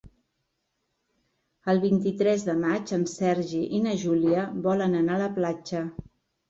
El vint-i-tres de maig en Sergi i na Júlia volen anar a la platja.